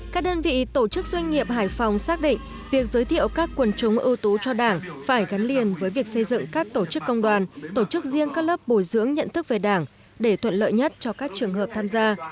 các đơn vị tổ chức doanh nghiệp hải phòng xác định việc giới thiệu các quần chúng ưu tú cho đảng phải gắn liền với việc xây dựng các tổ chức công đoàn tổ chức riêng các lớp bồi dưỡng nhận thức về đảng để thuận lợi nhất cho các trường hợp tham gia